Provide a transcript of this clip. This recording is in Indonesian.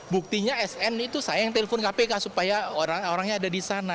buktinya sn itu saya yang telpon kpk supaya orangnya ada di sana